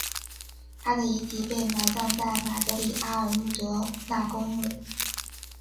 她的遗体被埋葬在马德里阿尔穆德纳公墓。